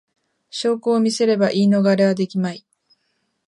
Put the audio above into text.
証拠を見せれば言い逃れはできまい